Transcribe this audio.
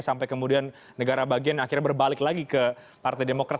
sampai kemudian negara bagian akhirnya berbalik lagi ke partai demokrat